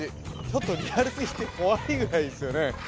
ちょっとリアルすぎて怖いぐらいですよね